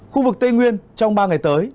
khu vực tây nguyên trong ba ngày tới